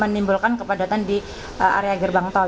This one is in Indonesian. menimbulkan kepadatan di area gerbang tol